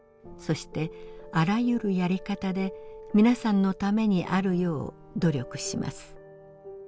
そしてあらゆるやり方で皆さんのために在るよう努力します。